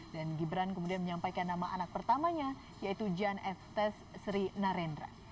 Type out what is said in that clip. dan gibran kemudian menyampaikan nama anak pertamanya yaitu jan f tes sri narendra